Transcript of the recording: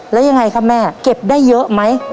แล้วยังไงครับแม่เก็บได้เยอะไหม